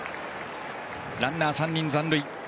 ランナー、３人残塁。